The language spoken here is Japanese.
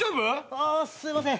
あすいません。